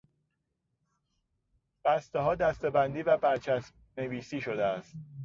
بستهها دستهبندی و برچسب نویسی شده است.